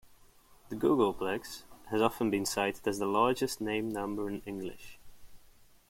The googolplex has often been cited as the largest named number in English.